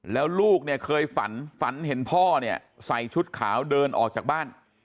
แล้วลูกเคยฝันเห็นพ่อใส่ชุดขาวเดินออกจากบ้าน